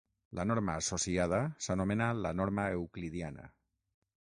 La norma associada s'anomena la norma euclidiana.